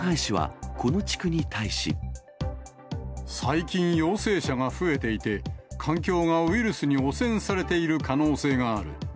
最近、陽性者が増えていて、環境がウイルスに汚染されている可能性がある。